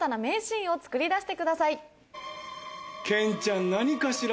憲ちゃん何かしら？